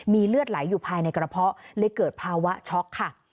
มีเลือดไหลอยู่ภายในกระเพาะเลยเกิดภาวะช็อกค่ะ